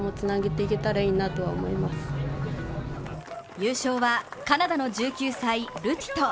優勝はカナダの１９歳、ルティト。